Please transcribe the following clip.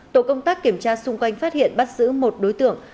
tổ công tác kiểm tra xung quanh phát hiện bắt giữ một đối tượng